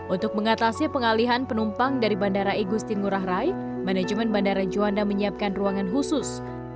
untuk mengatasi pengalihan penumpang dari bandara igusti ngurah rai manajemen bandara juanda menyiapkan ruangan khusus